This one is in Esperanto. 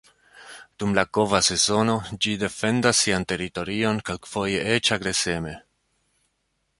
Dum la kova sezono ĝi defendas sian teritorion, kelkfoje eĉ agreseme.